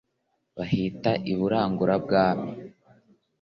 bahita Iburagurabwami